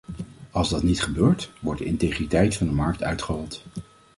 Als dat niet gebeurt, wordt de integriteit van de markt uitgehold.